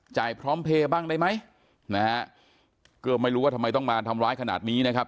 พร้อมเพลย์บ้างได้ไหมนะฮะก็ไม่รู้ว่าทำไมต้องมาทำร้ายขนาดนี้นะครับ